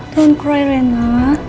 jangan menangis reina